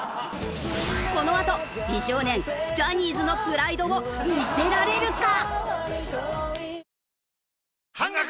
このあと美少年ジャニーズのプライドを見せられるか？